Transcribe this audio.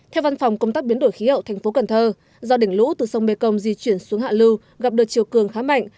theo văn phòng công tác biến đổi khí hậu thành phố cần thơ do đỉnh lũ từ sông mê công di chuyển xuống hạ lưu gặp đợt chiều cường khá mạnh